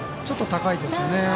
ちょっと高いですよね。